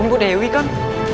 ini bu dewi kan